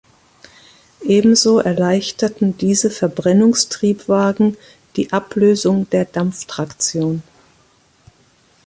Ebenso erleichterten diese Verbrennungstriebwagen die Ablösung der Dampftraktion.